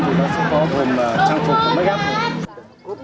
thì nó sẽ có gồm trang phục và make up